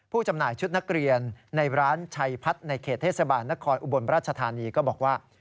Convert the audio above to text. จำหน่ายชุดนักเรียนในร้านชัยพัฒน์ในเขตเทศบาลนครอุบลราชธานีก็บอกว่า